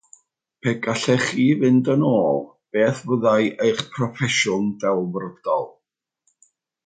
Pe gallech chi fynd yn ôl, beth fyddai eich proffesiwn delfrydol.